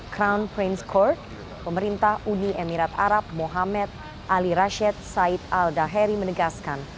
crown prince court pemerintah uni emirat arab muhammad ali rashid zayed al dahari menegaskan